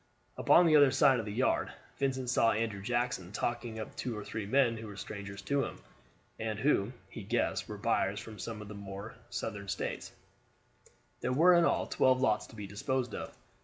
Upon the other side of the yard Vincent saw Andrew Jackson talking to two or three men who were strangers to him, and who, he guessed, were buyers from some of the more southern States There were in all twelve lots to be disposed of.